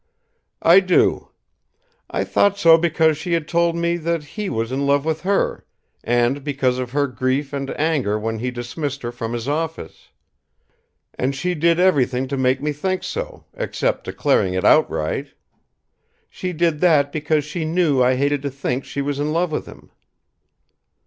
"I do. I thought so because she had told me that he was in love with her, and because of her grief and anger when he dismissed her from his office. And she did everything to make me think so, except declaring it outright. She did that because she knew I hated to think she was in love with him."